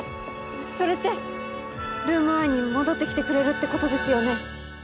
それってルーム１に戻ってきてくれるってことですよね？